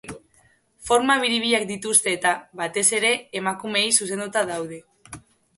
Forma biribilak dituzte eta, batez ere, emakumeei zuzenduta daude.